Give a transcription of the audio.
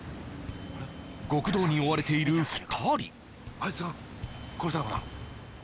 極道に追われている２人あいつが殺したのかな？